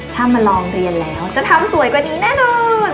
ถ้ามาลองเรียนแล้วจะทำสวยกว่านี้แน่นอน